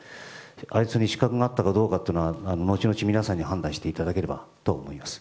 あいつに資格があったかどうかは後々、皆さんに判断していただければと思います。